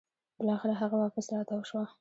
بلاخره هغه واپس راتاو شوه